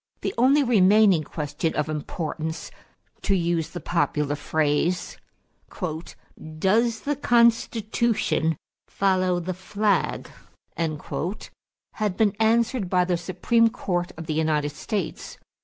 The only remaining question of importance, to use the popular phrase, "Does the Constitution follow the flag?" had been answered by the Supreme Court of the United States.